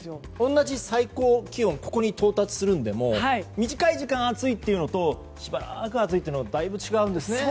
同じ最高気温に到達するのでも短い時間暑いというのとしばらく暑いというのはだいぶ違いますよね。